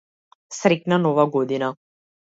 Среќна нова година.